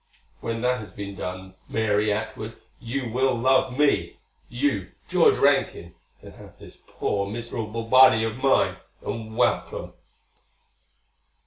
When that has been done, Mary Atwood, you will love me. You, George Rankin, can have this poor miserable body of mine, and welcome."